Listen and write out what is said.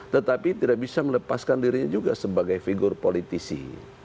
tetapi tidak bisa melepaskan dirinya juga sebagai figur politisi